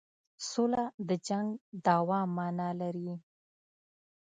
سوله د جنګ د دوام معنی لري.